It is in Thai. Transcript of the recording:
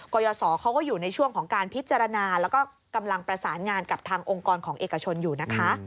กรยศเขาก็อยู่ในช่วงของการพิจารณาแล้วก็กำลังประสานงานกับทางองค์กรของเอกชนอยู่นะคะ